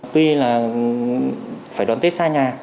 tuy là phải đón tết xa nhà